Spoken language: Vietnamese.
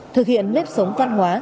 thực hiện nếp sống văn hóa